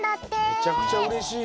めちゃくちゃうれしい。